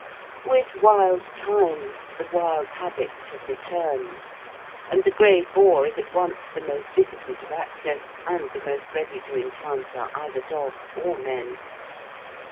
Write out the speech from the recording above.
With wild times, the wild habits have returned, and the grey boar is at once the most difficult of access, and the most ready to encounter either dogs or men.